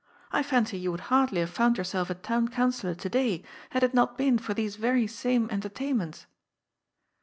I fancy you would hardly have found yourself a Town Councillor to day, had it not been for these very same entertainments."